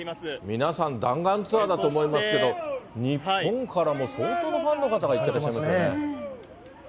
皆さん、弾丸ツアーだと思いますけど、日本からも相当のファンの方が行ってらっしゃいますね。